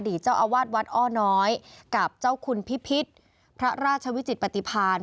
เจ้าอาวาสวัดอ้อน้อยกับเจ้าคุณพิพิษพระราชวิจิตปฏิพาณ